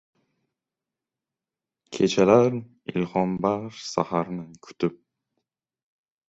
Kechalar ilhombaxsh saharni kutib